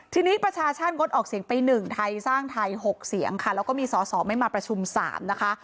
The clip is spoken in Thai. ทีนี้ประชาชาติงดออกเสียงไป๑ไทยสร้างไทย๖เสียงค่ะแล้วก็มีสอสอไม่มาประชุม๓นะคะ